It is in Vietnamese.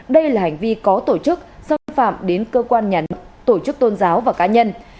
đây là hành vi có tổ chức xúc phạm đến cơ quan nhà nữ tổ chức tôn giáo và cá nhân